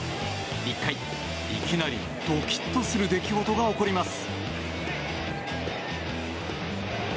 １回、いきなりドキッとする出来事が起こります。